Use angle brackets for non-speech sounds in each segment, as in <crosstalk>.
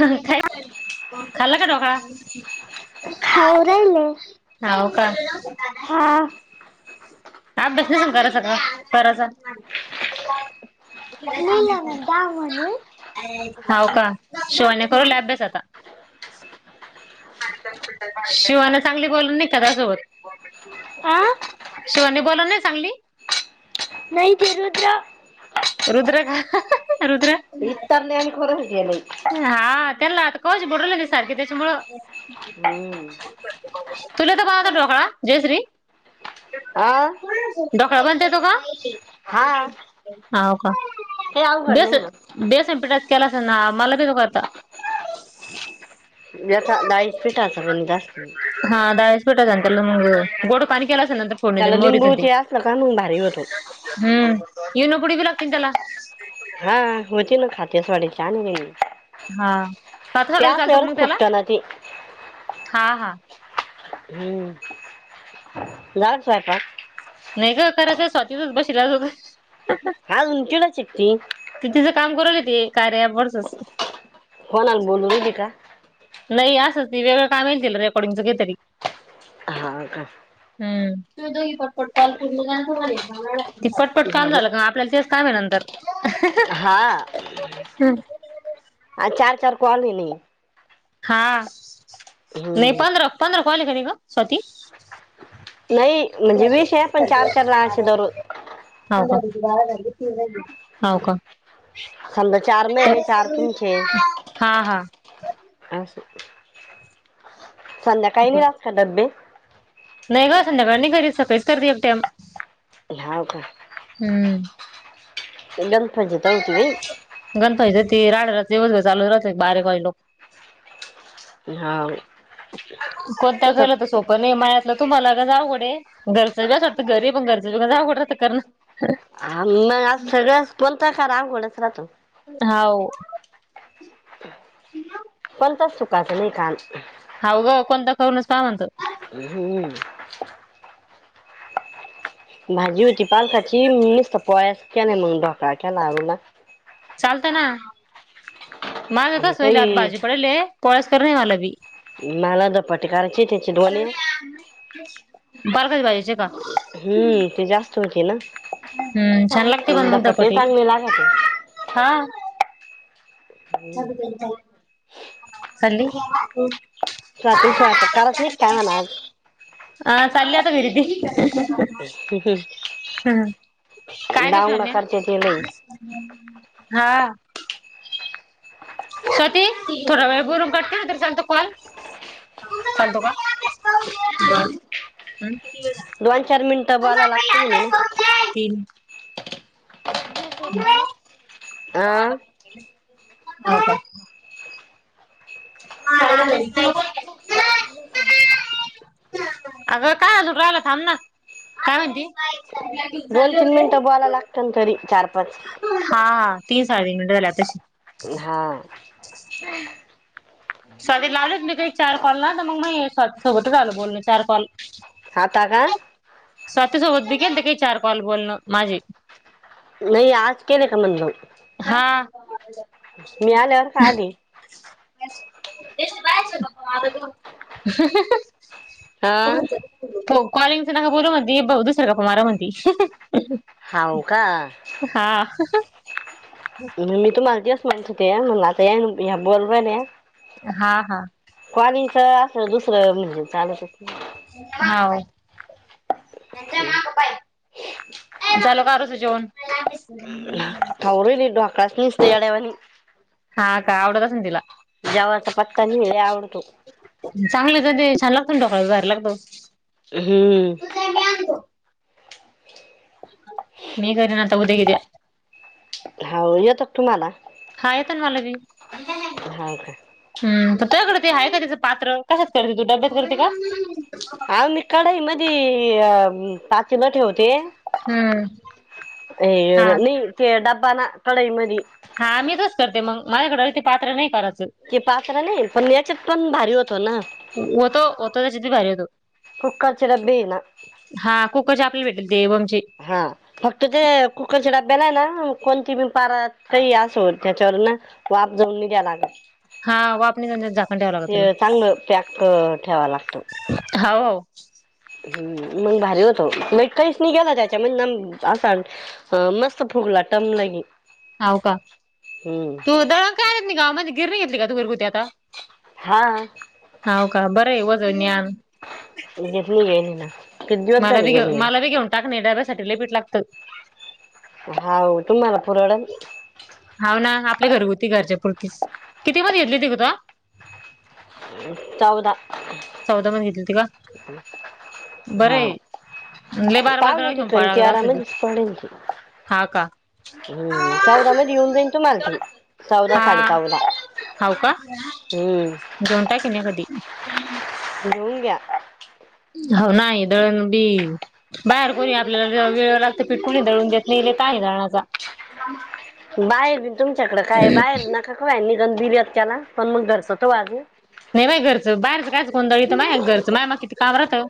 का खाल्ला का ढोकळा खाऊ राहिले होव का हा आप बसनेस कररा सग कचा लिहिला मी दहा म्हणे हाव का शिवानीकरू ला अभ्यास आता शिवाना चांगली बोलून नाही का त्या सोबत आं शिवानी बोल नाही चांगली नाही त रुजा रुद्र का रुद्र इत नाही आम्ही खरंच गे नाही हा त्याला आता कौश बडवले नाही सारखे त्याच्यामुळ हम्म तुला तर पाघत ढोळा जयश्री आा डोकळा बनता य तो का हा हो का हे अवघड दबऐस नाही ना देसम पिठा केलास ना मला कस करता वचा ाळीस पीठाचा पण जास्त हा दायसपेठचल मंग गोड पाण केला अस नंतर पण दि त्याला मोरीच लिंबूचे असलं का मग भारी होतो हम्म्म इनो पुडी बी लागते त्याला हा होती ना खात्या सोड्याची आणि ग हा कथसाठी वि चालतो मग त्याला ना ते हा हा हम्म जाल साहेपाक नाही ग खरांच आहे स्वातीचच बशीलाच होत आज उंटला चिट्टी त तिचं काम करली ते कार्याबर्च फोनला बोलूली का नाही असं नाही वेगळं काम येईल ते रेकर्डिंगचं काही तरी हा का म दघी पटपट काल पूर्ण का त पटपट काम बरं. झालं का आपल्याला ते काम नंतर हा चार चार कॉल नाही हा नाही हम्म. पंधरा पंधरा कॉल ख ग स्वात नाही म्हणजे विष आहे पण चार चार लानाचे दरू ह हो का समजा चार नाही चार तुमचे हा हा अस संध्याकाळी बर. नाही राात का डबे नाही ग संध्याकाळ नाही घरी सकाळीच करते एकटाम हव का हम्म लंग फजताव तुम्ही गणपती ते राड चाू राहात बरे काळी लोक ह कोणत गलं तर सोपं नाही माया्यातलं तुम्हाला का जाऊघडे घरचं ब असं वाटतं घरी पण घरचं बीघ जावठत करण आम मग आज सगळ्या बोलताय का रामगोडस रा तो होा पणता सुकाचं नाही काम ह ग कोणता करूनच पाहा म्हणत ह भाजी होती पालकाची खची म मस् पोळी च केली नाही मग ढोकळायची केला नाग चालत ना माझ आणि आताच वेल आत भाजी काही पडेली कोोळ्यास कर नाही मला बी मला ज पट कयची पालकाची भाजी का हम्म ते जास्त होते ना हम्म छान लागत धपाटे धपाठे चांगले लागते हा ले स्वात स्ोय प्रकारच म काय म्हणा आज ह तल्ात विरती आज हम् काय कश हो डांगडा न करते ते लई हा स्वती थोडा वेळ बरून काढते तर चालत कॉल चालतो का किती दोन चार मिनिटं बोयला लागत म्हणे ना तीन ठी आं ह का हा आ अगं काय अजू राला थांब ना काय म्हणती दोन तीन मिनिटं बोयला लागत ना तरी चार पाच हा हा तीन साहा मिनट झाल्या तशी हा स्ध ला आलच मी का चार कॉलला तर मग मग स्वतः सोबतच आल बोलण चार कॉल हता का स्वतःसोबत बघेल ते काही चार कॉल बोलणं माझे नाही आज केले का म्हणलं हा मी आल्यावर का आली यच हा हो कॉलिंगच नाका बोल मण बघ दुसरं का प मारा मणती होा का हा मी तुम्हाला दिस माहिती होते मण आता ह्या बोलवाय हा हा क्वाणीच अस दुसरं म्हणजे चालतच त्यांचा नाही. मा प्पा आहे झाल कारच जेवण तरलिड अकळच नित याळे्यावनी हा का आवडतस तिला जेवचा पत्का नि आवडतो चांगले तर ते छान लागतं ना डॉक जायला लागतो हम्म मेघरीन त उद्याग्या होा येत तुम्हाला हा येत मला बी ह का हूं त तू्याकड ते आहे कां त्यांच पात्र कशात करते तू डब्यात करते का? आहो मी कढई मधी पातेल ठेवते. हम्म अ हा नई ते डबा ना कडई मधी हा मी तरस करते मंग माझ्याकड ते पात्र नाही करायचं. ते पात्र नाही पण याच्यात पण भारी होतो ना होतो होतो त्याच्यात बी भारी होतो. कुकर चिरात देईना. हा कुकज आपलेली भेटलेले ते ओवमचे हा फक्त ते कुकरच्या डब्याला ना कोणती मी पार काही असो त्याच्यावर ना वाफ जाऊन नि द्याला लागत. हा वापणी त्यांच्यात झाकण ठेवावं लागत ते चांगलं पॅक ठेवाला लागत. हो हम्म मंग भारी होतो नय काहीच नाही गेला त्याच्या ननं असानं हो मस्त फुगला टम्म लगी होव का, तू दळण का येतनी गावामध्ये गिरणी घेतली का तू घरगुती आता हां हाव का बरंय वजनं न्याआण घेतली की आमी मं कित दिवस झाले घेतलीला टाकणे डाब्यासाठी लय पीठ लागतं. हाव ते लहान पोराला हाव ना आपल्या घरगुती घरच्यापुरतीच किती मध्ये घेतली ती ग तवा चौदा चौदा मध्ये घेतली होती का हा बरंय. लय बारा बारा पावले दळण घेऊन ठिकाणी पळायला लागत असणं बी तेरामध्येच पडेल ती हा का हम्म चौदा मध्ये येऊन जाईन तुम्हाला ती चौदा हा साडे चौदा हाव का हम्म घेऊन टाकिण्या कधी घेऊन घ्या. हो नाही दळण बी बाहेर कोणी आपल्याला जेव्हा वेळ लागत पीठ कोणी दळून देत नाही लय कायये दळाचा बाहेर बी तुमच्याकड काय बाहेर नकाकू मी दम दिल्यात त्याला पण मग घरत त वाजनी नाही बाई घरचं बाहेरचं कायच कोणं दळीत मायां घरचं माय माग किती काम राहतं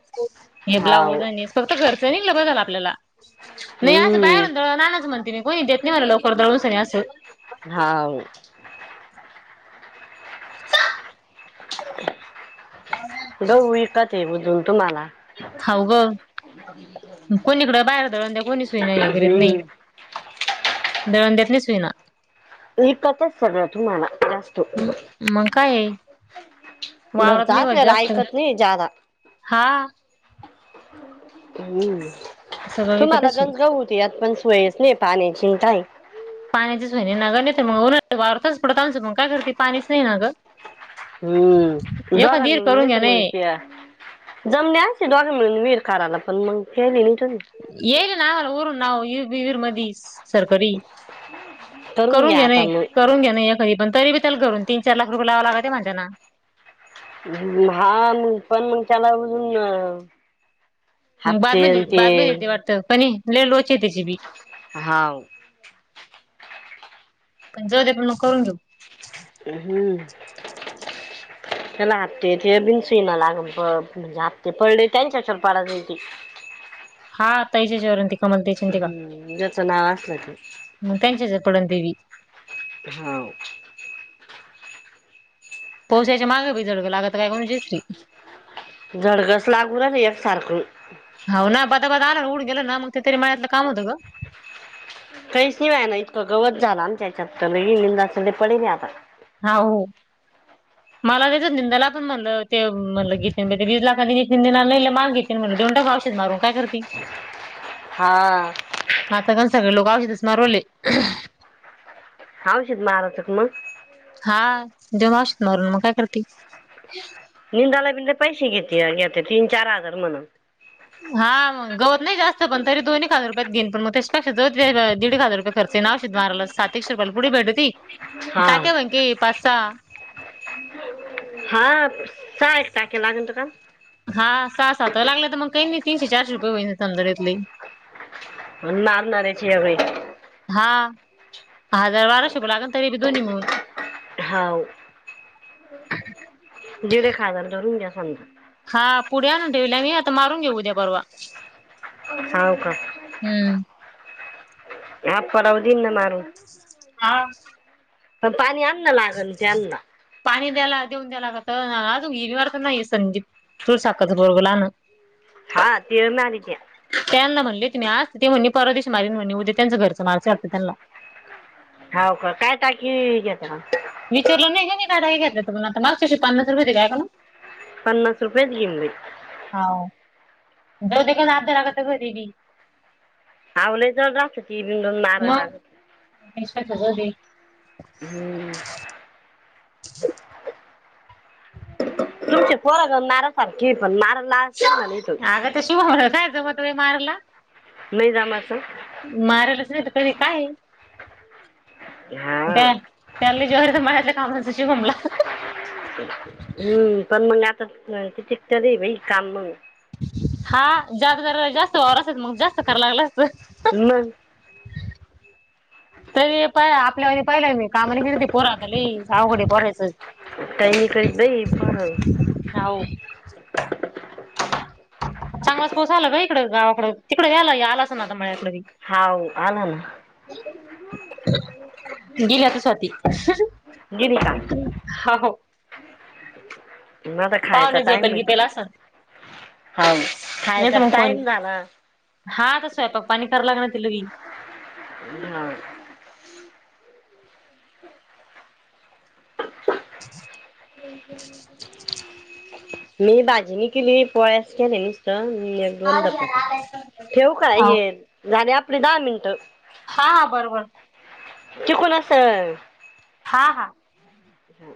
हे हाव ब्लाऊज आणि फक्त घरचं निघलं बस झालं आपल्याला नाही असं हम्म बाहेरून दळण आणाच म्हणते मी कोणी देत नाय म्हणलं लवकर दळूनशानी असं हाव <inaudible> दळून विकाचय बुजून तुम्हाला हाव ग कोणीकडे बाहेर दळण द्या कोणी सुईना हे करीत नाही हम्म दळण देत नाही सुई ना इकतच सगळं तुम्हाला जास् मंग काय ये वावरत घरचं नाही व असेल जास्त ऐकत नाही जादा हा हम्म सगळं तुम्हाला विकतच आहे गंगा होती यात पण सोयच नाय पाण्याचीनी काय पाण्याचीच सोय नाय नगं नी त मग वारताच पडत आसन मंग काय करते पाणीच नाय ना गं हम्म बघा विहीर नं करून नायत घ्या मंग नाही त्या जमणी असती दोघांमिळून विहीर कराला पण मंग त्यानीं इंटनं येईल नावावर वरून नावावर येईल बी विहीर मधीच सरकरी करून घ्या नाय करून घ्या नाय एक नाही तरी बी त्याला घरून तीन चार लाख रुपये लावाव लागतय म्हणत ना हम्म हा मंग पण मंग त्याला अजून नं मग बादम येत बादम येते ते वाटतं पण लइ लोचे आहेत त्याची बी. हाव पण जाऊ दे मग करून घेऊ. <unintelligible> <unintelligible> हा ताईच्या ह्याच्यावर अन ती हम्म, ज्याचं नाव असलं की मग त्यांच्या हेच्यात पडन ते बी. हाव. पूशेच्या माग बी जळक लागतंय <unintelligible> जळकच लागू राहीलंय एक सारखं. हो ना, बदा बदा आलं आणि उडून गेलो ना, मग ते तरी मळ्यातलं काम होतं ग. काही शिवाय ना इतकं गवत झाला आमच्या याच्यात लय लंदा सगले पडिक आहे आता. हाव, मला ते निंदाला पण म्हणलं, ते म्हणलं की मध्ये बी <unintelligible> देऊन टाकू औषध मारू. काय करती? हा. आता कसं सगळी लोकं औषधच मारूले. औषध मारायचं का मग? हा, द्यावं औषध मारून, मग काय करती? निंदाला बि पैसे घेते, घेते तीन चार हजार म्हणून. हा, मग गवत नाही जास्त पण तरी दोन एक हजार पत घेईन पण मग त्यापेक्षा दीड एक हजार रुपये खर्च आहे ना, औषध मारायला सात एकशे रूपयेला पुडी भेटती. हा <unintelligible> पाच सहा हा सहा एक टाके लागतो का? हा सहा सात लागले तर मग काही नाही तीनशे चारशे रुपये होईन तर लइत लय. पण <unintelligible> बाई. हा, हजार बाराशे रुपये लागन तरी बी दोन्ही मिळून. हाव. दीड एक हजार धरुन घ्या समजा. हा, पुडी आणून ठेविल्या मी आता मारून घेऊ उद्या परवा. होव का? हम्म. आ परवा देईन ना मारून. हा. पण पाणी आ <inaudible> पाणी द्यायला देऊन द्याला लागत, आज विहिरी वर तर नाही संंदीप, <unintelligible> हा ते नाही की. त्यांना म्हणले तुम्ही आज ते म्हणे परवा दिवशी मारीन म्हणे, उद्या त्यांचं घरचं मारायचं आहे वाटतं त्यांना. हाव का, काय टाकी घेता मग? विचारलं नाही मी का घेतलं तुम्हाला तर मागच्या वर्षी पन्नास रुपये दिले, हाय का ना. पन्नास रुपयेच घेईन बाई. हाव, <unintelligible> आओ लय वेळ लागती ती मारायला. मग <unintelligible> हम्म. <inaudible> तुमचे पोरगं नारासारखे पण मारा लागतेल ना तो. अगं त्या <unintelligible> काय जमतंय मारायला? नाही जमाचं? माराच नाही तर करी काय हा त्या. त्यानी ज्वर म्हणायं कामराचा शमला. हम्म पण मग आता तििक तरी बाई काम मग. हा जादा जरा जास्त वावर असत मग जास्त करा लागला अस. हम. तरी आपल्या व पाहिलंय मी कामाने खिरती पोरातली आावकडी पोरायचं. टयनी काही बा पाारल. जाऊ. चांगलाच पोस आला बा इकडे गावाकडडे तिकडे यायला आलाच ना आता म्याकडे. हा आला ना. गेली आता स्वाती गिरिक. हाव ना तर खायचा पाहुणे झोपेल टाइम गिपेल असन ह नाही खायचा तर मग फोन टाइम झाला. हा तसो आहे पग पाणी करां लागणार त ली. ह ना. <inaudible> मी बाजीनी केली पळस केले नसत. एक दोन दपट ठेव का हाव हे झाले आपली दहा मिनटं. हा बरोबर. त कोण असं. हां हां. हा.